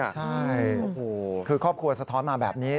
ใช่คือครอบครัวสะท้อนมาแบบนี้